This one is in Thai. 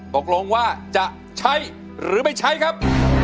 ตกลงว่าจะใช้หรือไม่ใช้ครับ